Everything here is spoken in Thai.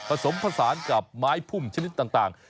ผสมผสานกับไม้พุ่มชนิดต่าง